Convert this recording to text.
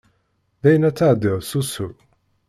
Dayen ad tεeddiḍ s usu?